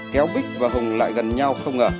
kéo bích và hùng lại gần nhau không ngờ